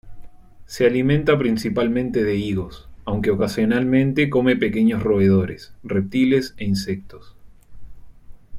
Se alimenta principalmente de higos, aunque ocasionalmente come pequeños roedores, reptiles e insectos.